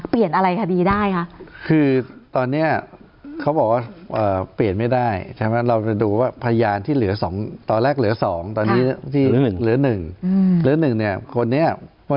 คนนี้เค้าบอกว่าเปลี่ยนไม่ได้เราจะดูว่าพยานต่อแรกเหลือสอง